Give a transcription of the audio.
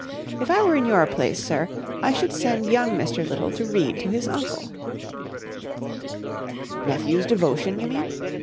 If I were in your place, sir, I should send young Mr. Little to read to his uncle.'' " Nephew's devotion, you mean